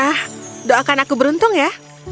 ah doakan aku beruntung ya